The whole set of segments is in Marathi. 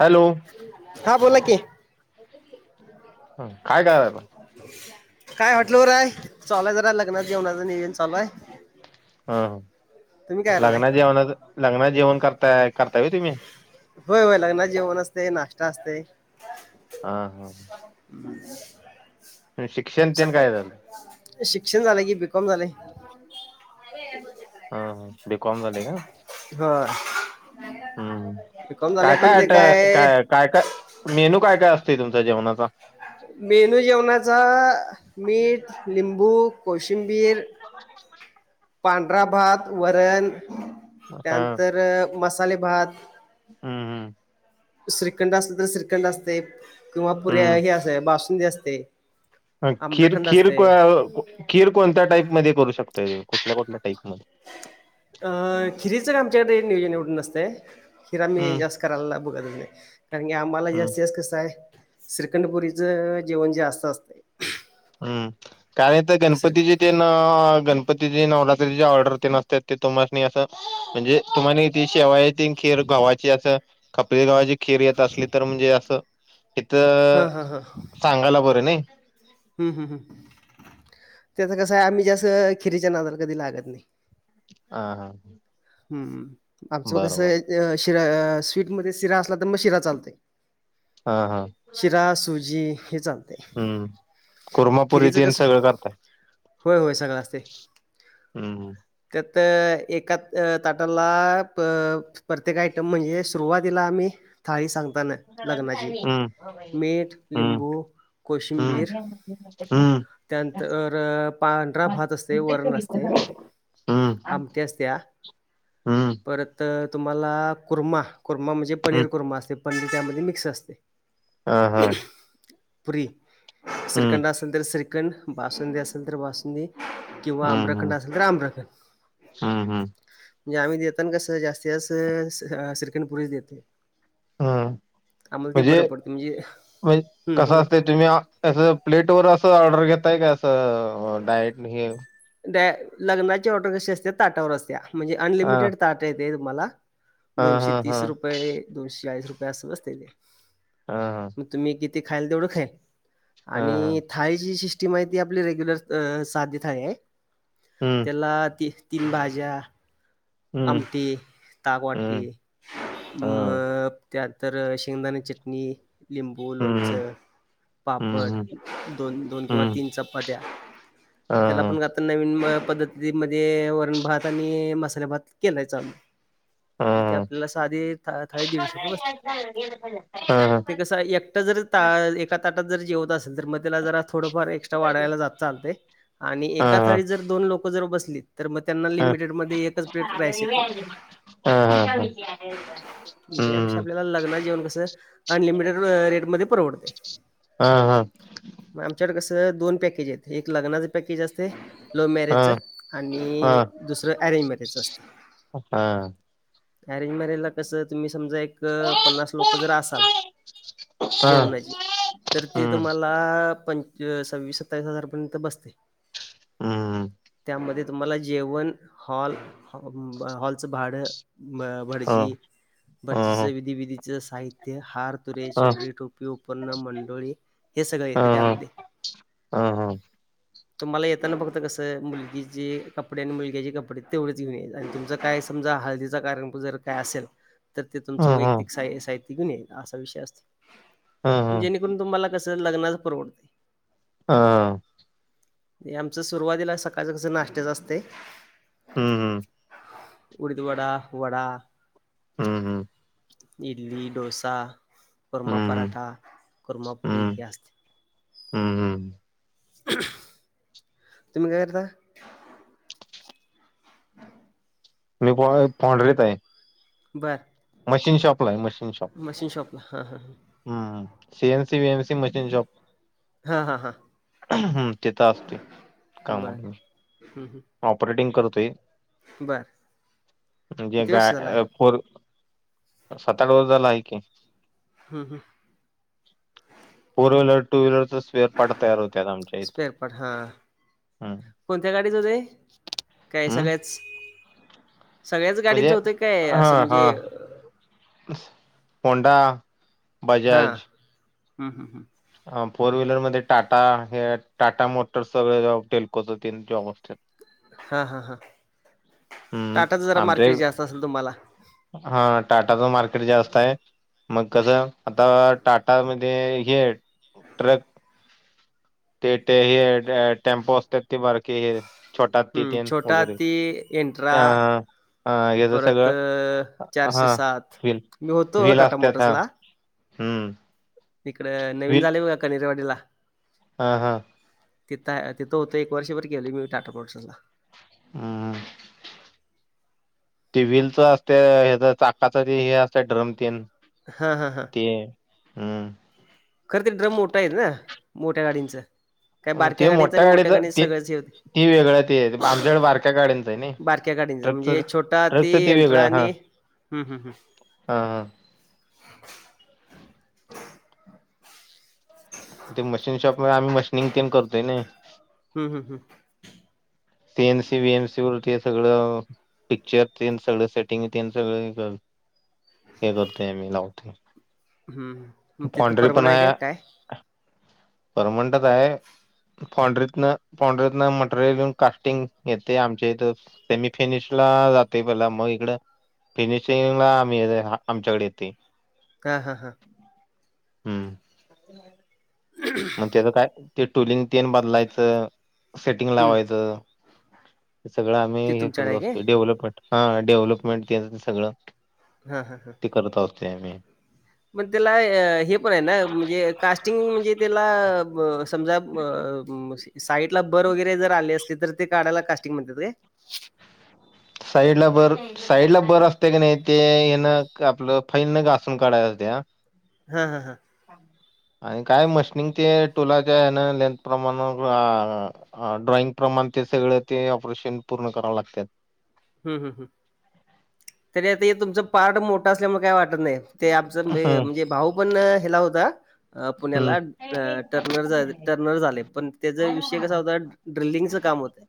हॅलो हा बोला की काय करायला काय हॉटेल वर आहे चालाय जरा लग्नात जेवणाच नियोजन चालूय हाय हं करायलाय लग्ना जेवणा लग्ना जेवण करताय करताय होय तुम्ही होय होय लग्ना जेवण असते नाश्ता असते. हा हा ह ह शिक्षण तेन काय झालं सकाळी शिक्षण झालंय की बी कॉम झालेय हा ह बी, कॉम झाले का. हा ह, बीकॉम झालंय काय काय पण ते आता काय काय काय मेनू काय काय असते तुमच्या जेवणाचा मेनू जेवणाचा मीठ, लिंबू, कोशंबीर पांढरा भात, वरण हा त्यानंतर मसाले भात हं हं. श्रीखंड असल तर श्रीखंड असतय किंवा पुऱ्या हम्म हे अस बासुंदी असते. ह खीर, आम्रखंड खीर, असते खीर कोणत्या टाईप मध्ये करू शकतय कुठल्या कुठल्या टाईप मध्ये? अ खिरीच काय आमच्याकडे नियोजन एवढ नसतंय खिर आम्ही हम्म जास्त करायला बोलायला नाही कारण की आम्हाला जास्तीत जास्त कसं हाय श्रीखंड पुरीचं जेवण जास्त असतंय. हु, कारण इथ श्री गणपतीची ते न गणपतीची नवरात्रीची ऑर्डर ते न नसत्यात, ते तुमास नी येत्यात. म्हणजे तुम्हाली ती शेवाया ची ती, खीर गव्हाची असं आपली गावाची खीर येत असली तर म्हणजे असं इथ हां हां सांगायला बरं नाही. हुं हु हुं त्याच कसं आहे आम्ही जास्त खिरीच्या नादला कधी लागत नाही. हां हां. हुं हुं आमचं कसं शिरा स्वीट मध्ये शिरा असला तर मग शिरा चालतय. हा हा. शिरा सुजी हे चालतं हं, कुरमा पुरी तेन कसं सगळं करताय होय होय सगळं असतयं हम्म त्यात एकात ताटाला प्रत्येक आयटम म्हणजे सुरुवातीला आम्ही थाळी सांगताना लग्नाची हम्म मीठ, लिंबू कोशिंबीर हम हम्म. त्यानंतर पांढरा भात असतय वरण असतय. हम्म आमटी असतीया. हम्म. परत तुम्हाला कुरमा कुरमा म्हणजे हम्म पनीर कुरमा असते पनीर त्यामध्ये मिक्स असतय. हां हां. पुरी हम्म श्रीखंड असेल तर श्रीखंड, बासुंदी असेल तर बासुंदी किंवा हम्म हम्म आम्रखंड असेल तर आम्रखंड. हम्म म्हणजे आम्ही देताना कसं जास्तीत जास्त श्रिखंड पुरीच देतोय. हम्म आम्हाला ते म्हणजे बरं पडत म्हणजे म्हणजे हं कसं बोला की. असते तुम्ही अस प्लेट वर असं ऑर्डर घेताय का असं अं डायरेक्ट न ही त्या लग्नाची ऑर्डर कशी असते ताटावर असते म्हणजे हां, अनलिमिटेड ताट येते तुम्हाला. हां, दोनशे हां, तीस हां. रुपये, दोनशे चाळीस रुपये असं बसतय ती. हां, हां, मग तुम्ही किती खायल तेवढं खाय हां, हां. आणि थाळीची सिस्टीम आहे ती आपली रेग्युलर साधी थाळी आहे. हम्म. त्याला ती तीन भाज्या, हं, आमटी ताकवाटी. हं. हां. मग त्यानंतर शेंगदाणा चटणी. लिंबू, लोणच, हं, हं, पापड, हं, दोन दोन किंवा हं. चपात्या. हां, त्याला हां, पण आता नवीन पद्धती मध्ये वरण भात आणि मसाले भात. केलाय चालू. हां, ते हां. आपल्याला साधी थाळी दीडशे रुपयेला बसतीय हां, हां. ते कसं एकटा जर. ता एका ताटात जर जेवत असत. जर मग त्याला जरा थोड फार एक्ट्रा वाढायला चालतय आणि हां, एका हां, थाळीत जर दोन लोक. बसली तर मग त्यांना हां, हां. लिमटेड मध्येएकच [unintelligible] हायचे ते त्यापेक्षा हं. आपल्याला लग्नाचं जेवन कसं. अनलिमिटेड रे रेटमध्ये परवडते. हा हा. मग आमच्याकडे कसं दोन पॅकेज आहेत एक लग्नाच पॅकेज असते. लव्ह मॅरेजचं हां, आणि दुसरं ॲरेंज मॅरेजचं असतं. हा. आरेंज मॅरेज ला कसं तुम्ही समजा एक पन्नास लोक जर असाल जेवणाची तर ते हं, तुम्हाला. आत्ता पा सव्वीस सत्तावीस हजार पर्यंत बसते हं, हं. त्यामध्ये. तुम्हाला जेवण हॉल हॉलच भाड बर. हां, भटजी भटजीच हां, विधी बिधी विधीच साहित्य हार. तुरे चिनरी टोपी उपनम मंडोळी हे सगळं येते त्यामध्ये ह हा. तुम्हाला येताना फक्त कसं मुलगीचे कपडे आणि मुलग्याचे कपडे तेवढे. तुमच काय समजा हळदीच कार्यक्रम काय आसेल तर ते तुमचं हां, हां, वैयक्तिक साही सही. असा विषय असत हां, हां. जेणेकरून तुम्हाला कस लग्नाच परवडत. ह. आमचं सुरुवातीला सकाळचं कसं नाश्ट्याचं असतय. हम् हम्म. उडीदवडा, वडा हम् हम् इडली, डोसा, कुर्मा हं, हं, पराठा, कुर्मा पुरी हे हं, असतं. हं, हं. तुम्ही काय करता? [inaudible] [inaudible] मी [unintelligible] फॅन्ड्रीत आहे. बरं मशीन शॉपलाये, मशीन शॉप. मशीन शॉपला हां हां हां. हं सीएनसी, व्हीएमसी मशीन शॉप. हा हा हा हम्म ते तं असतोय. बाय हं हं. ऑपरेटिंग करतोय, म्हणजे किती गा वर्ष झाला आहे पर सात आठ वर्ष झालं आहे की. ह हं फोर व्हीलर, टू व्हीलरचा स्पेअर पार्ट तयार होत्या आमच्या इथं. स्पेअर पार्ट हां हम् कोणत्या गाडीचं ते काय हं. सगळ्याच? सगळ्याच म्हणजे गाडींचं होतंय काय, असं म्हणजे होंडा हां ह ह फोर व्हीलरमध्ये टाटा, हे टाटा मोटर्सचं वेगळे, टेल्कोचे तीन जॉब असतात. हा हा हा हम्म आमच्या इकडं, तुम्हाला टाटाचं मार्केट जास्त आहे. मग कसं आता टाटामधे हे आहे ट्रक. ते तेे हे टेम्पो असतात, ती बारकी हे छोटा हत्ती हम्म. तेन छोटा वगैरे ती एंट्रा अं हा याच परत सगळं, अ, चारशे हा सात व्हील मी होतो व्हिल टाटा असत्यात हा. मोटर्सला. हम्म. इकडं नवीन झाले बा कनरवाडीला हं हं तिथं तिथं होतं एक वर्षभर केली मी टाटा मोटर्सला. हम. ते व्हीलचं असत्या, हेचं चाकाचं ते हे असत्या ड्रम तीन. हं हं हं ते हम्म खरं तर ड्रम मोठा आहेत ना मोठ्या गाडींचं, काय मग बारक्या ते गाडींचं आणि मोठ्या गाडीचं ते सगळंच हे होते. ते वेगळं ते आमच्याकडे बारक्या गाड्यांचं आहे नाही बारक्या गाडींचं, ट्रकचं म्हणजे छोटा हत्ती ट्रकचं ते एंट्रा आणि हं हं हम. हं ते मशीन शॉपमधे आम्ही मशनिंग तेण करतोय ना. हं हं हम ते सीएनसी, वीएनसी वरतीये सगळं. पिक्चर तेन सगळं सेटिंग तेन सगळं मी करतो. ते बागतय मी लावते. हम् तिथं परवडाय घेताय? पर्मनंटच आहे. फॅनढरीतन फॅनढरीतन मटेरियल येऊन कास्टिंग येतय आमच्या इथं सेमीफीनिश ला जाते, बला मग इकडं फिनिशिंगला आम्ही येते, आमच्याकडे येते. का? ह ह. हुं. मग त्याचं काय? ते टुलिंग तीन बदलायचं सेटिंग हं. लावायचं. सगळं आम्ही ते हे तुमच्याकडे करत आहे असतो. काय? डेव्हलपमेंट हा डेव्हलपमेंट तेन सगळं हा हा हा. करत अवात आम्ही मग त्याला हे पण हे ना म्हणजे कास्टिंग म्हणजे त्याला ब समजा ब अ साईडला बर वगैरे जर आली असली तर ते काढायला कास्टिंग म्हणतेत काय? साईडला बर साईडला बरं असते की नाही ते हे ना आपलं फैन न घासून काढायला लागते ना. ह ह ह. आणि काय मशीनी ते स्टूलाच्या हे ना लेंथ प्रमाण आआ हा ड्रॉइंग प्रमाण ते सगळं ते ऑपरेशन पूर्ण कराव लागतेत. हू हू हू तरी, आता हे तुमचं पार्ट मोठं असल्यामुळे काय वाटत नाही. ते आमच म हे हम्म म्हणजे भाऊ पण हेला होता. अ हम्म पुण्याला ट टर्नर झा टर्नर झालय, पण त्याचा विषय कसा होता? ड्रिलिंगच काम होतं,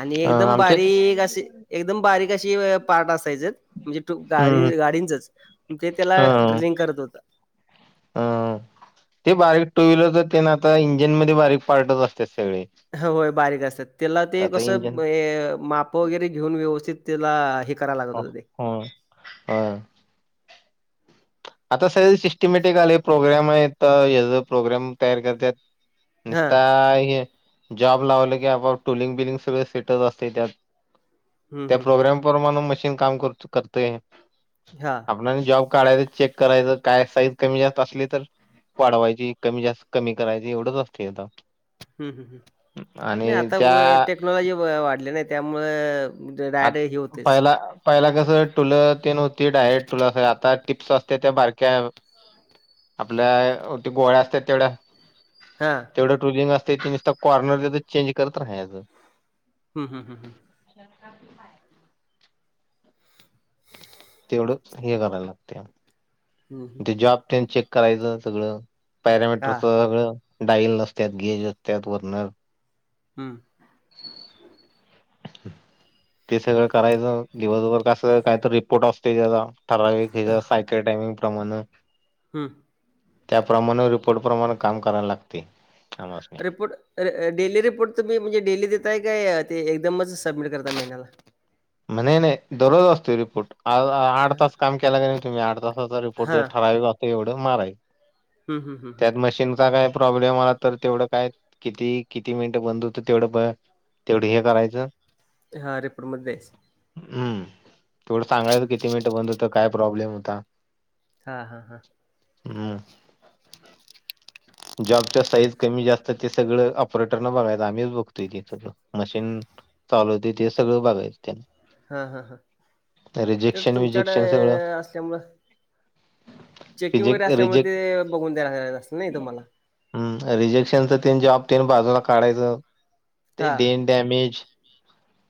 आणि अ, एकदम आमच्या बारीक असे एकदम बारीक अशी य पार्ट असायच, म्हणजे ट्यूब गाडीन हम्म गाडींचच ते, त्याला हम्म ड्रिलिंग करत होत. हम्म ते बारीक टू व्हीलरच ते ना आता, इंजिन मध्ये बारीक पार्टच असतात सगळे होय बारीक असतात. त्याला तर ते आता इंजिन कसं, हे माप वगैरे घेऊन व्यवस्थित त्याला हे करायला लागत ह होतं ते. ह वोय. आता सगळे सिस्टमॅटिक आले प्रोग्राम आहेत. येलो प्रोग्राम तयार करतात. हां. निसता य. जॉब लावलं की आपोआप टुलिंग बिलिंग सगळ सेटच असतय त्यात. हं, त्या हं, हं. प्रोग्राम प्रमाण मशीन काम कर करतय. हा. नवीन जॉब काढायचं चेक करायचं, काय साईज कमी जास्त असली तर वाढवायची कमी जास्त कमी करायची, एवढंच असते आता. हू हू नाही आणि आता त्या व टेक्नॉलॉजी व वाढली नाही त्यामुळं आ डायरेक्ट होतेच. पहिला पहिला कसं टूल तेन नुती डायरेक्ट टूल असाय, आता टीप्स असत्यात बारक्या आपल्या ती गोळ्या असतात तेवढ्या हां. तेवढं ट्रुलिंग असत, ते नुसत कॉर्नर त्याच चेंज करत रहायचं. हं हं हं. [inaudible] थोड हे कराय लागतय, हं, हं. ते जॉब तेन चेक करायचं सगळं. पॅरामीटरच हां. सगळं डाईल असत्यात गेज असत्यात वरन. हम्म. ते सगळं करायचं, दिवसभर कस काय तो रिपोर्ट असतोय त्याचा ठराविक ह्याच्या सायकल टायमिंग प्रमाण हम्म. त्याप्रमाण रिपोर्ट प्रमाण काम करायला लागते आम्हांसनी. रिपोर्ट अ अ डेली रिपोर्ट तुम्ही म्हणजे डेली देताय काय ते एकदमच सबमिट करताय महिन्याला? नाही, नाही दरोज असतोय रिपोर्ट. आज आठ तास काम केलाय का नाई तुम्ही आठ तासाचा रिपोर्ट देत हां. ठराविक असं एवढं मारायचं. हं, हं, हं, त्यात मशीनचा काही प्रॉब्लेम आलात तर तेवढं काय किती किती मिनटं बंद होत तेवढं ब तेवढं हे करायचं. हा रिपोर्टमध्ये द्याच. हम्म, तेवढं सांगायच किती मिनिटं बंद होत काय प्रॉब्लेम होता. हा हा हा. हम्म. जॉबच्या साईज कमी जास्त ते सगळं ऑपरेटर न बघायच आम्हीच बघतोय ते सगळं मशीन चालवतोय, ते सगळं बघायच त्यान हां हां हां, तेच तुमच्याडे विजेक्शन सगळं अ असल्यामुळं चेकिंग वगैरे रिजेक्ट असल्यामुळे ते अ बघून द्यायलाला असत नाही तुम्हाला. हम्म, रिजेक्शनच तिने जॉब तिने बाजूला काढायचं हा देन डॅमेज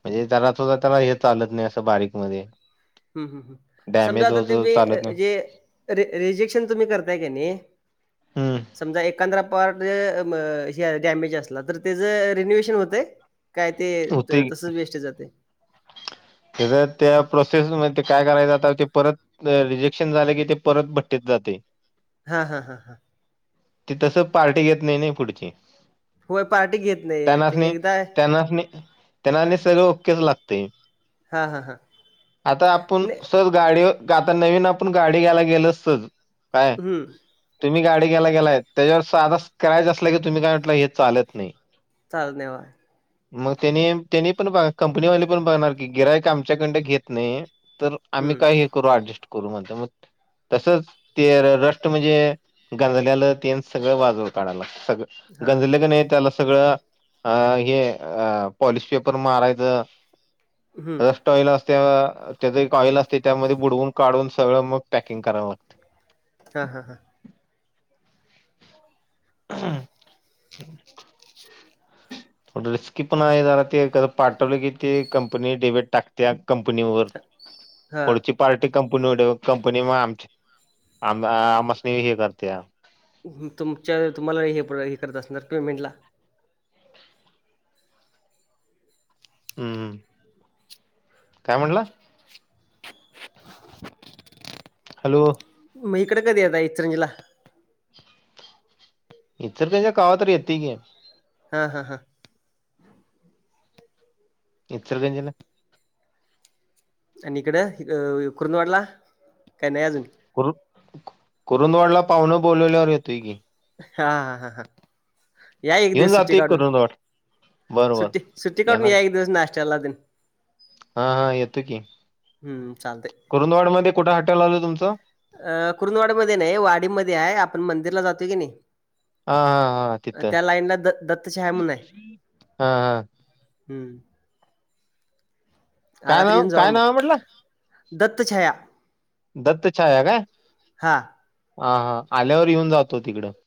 म्हणजे जरा सुद्धा त्याला हे चालत नाही असं बारीकमध्ये हम मम, समजा आता तुम्ही चालत नाही जे रि रिजेक्शन तुम्ही करताय की नी हम्म समजा एक एखांदा पार्ट अ म ह्या डॅमेज असला तर त्याच रेन्युएशन होते? काय ते होते तसच वेस्ट जातंय. त्याच त्या प्रोसेसमध्ये काय करायच आता ते परत रिजेक्शन झालं की ते परत भट्टीत जातंय. हा हा हा हां. ती तस पार्टी घेत नाही ना पुढची होय पार्टी घेत नाही ते त्यांनास्नि, एकदा त्यांनास्नि, त्यांनास्नि सर्व ओक्केच लागतय. हा हा हा. आता आपुण सहज गाडी, आता नवीन आपण गाडी घ्यायला गेल सहज काय? हं. तुम्ही गाडी घ्यायला गेलाय त्याच्यावर साधा स्क्रॅच असला की तुम्ही काय म्हटलं हे चालत नाही. चालत नाही होय. मग त्यानी, त्यांनी पण बघा कंपनीवाले पण बघणार की, गिराहिक आमच्याकडन घेत नाही. तर आम्ही हं. काय हे करू, ऍडजस्ट करू म्हणताय म तसच ते रष्ट म्हणजे, गांजल्यालं ते सगळं बाजूला काढायला लागत सगळं. हां हां. गंजलं का ना त्याला सगळं, अ हे पॉलिश पेपर मारायचं हम्म. रस्ट ऑइल असते, त्याज एक ऑइल असतय त्यामध्ये बुडवून काढून सगळं मग पॅकिंग करावं लागतय. हा हा हा. [unintelligible] रिस्की पण आहे, जरा ते एक पाठवले की ते कंपनी डेबिट टाकत्यात. कंपनी वर, हां. पुढची पार्टी कंपनी म आमची आमसनी हे करत्या. तुमच्या‌, तुम्हाला हे हे करत असणार पेमेंटला हम्म काय म्हणला? हॅलो. मग इकडे कधी येताय इचलकरंजीला इचलकरंजीला कवा तर येतय की हा हा हा. इचलकरंजीला आणि इकडं कुरूदंवाडला, काय नाही अजून कुरु कुरुंदवाडला पाहुणं बोलवल्यावर येतोय की हा हा हा हा. या एक येऊन दिवस सुट्टी जातोय काढून, कुरुंदवाड बरोबर सुट्टी सुट्टी काढून येणार या की एक दिवस नाश्त्याला तेन हा हा येतो की हम्म चालतय. कुरुंदवाड मधे कुठ हॉटेल आलं तुमचं? अ कुरुंदवाडीमध्ये नाही वाडीमध्ये आहे, आपण मंदिरला जातोय की नाही हा हा हा तिथं त्या लाईनला द दत्तछाया म्हणून आहे. हा हा हम्म. आला काय तर नाव येऊन जावा काय मग नाव म्हटलं दत्त छाया दत्त छाया काय हां. हा हा, आल्यावर येऊन जातो तिकडं